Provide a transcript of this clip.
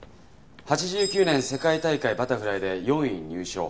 ８９年世界大会バタフライで４位入賞。